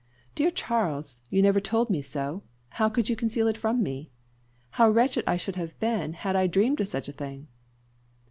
"Dear Charles, you never told me so. How could you conceal it from me? How wretched I should have been had I dreamed of such a thing!"